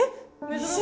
珍しい。